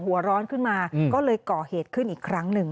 หัวร้อนขึ้นมาก็เลยก่อเหตุขึ้นอีกครั้งหนึ่ง